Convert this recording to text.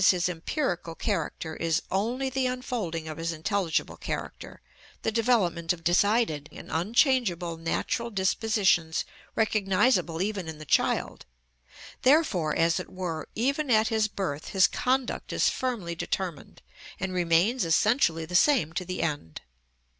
_, his empirical character, is only the unfolding of his intelligible character, the development of decided and unchangeable natural dispositions recognisable even in the child; therefore, as it were, even at his birth his conduct is firmly determined, and remains essentially the same to the end.